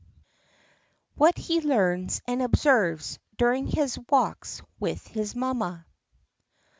WHAT HE LEARNS AND OBSERVES DURING HIS WALKS WITH HIS MAMMA.